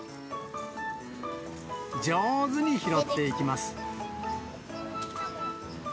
上手に拾っていきます。